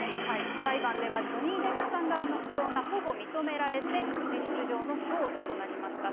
裁判では、ジョニー・デップさん側の主張がほぼ認められて、事実上の勝訴となりました。